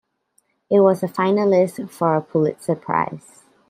It was a finalist for a Pulitzer Prize.